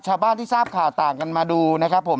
ชาวบ้านที่ทราบข่าวต่างกันมาดูนะครับผม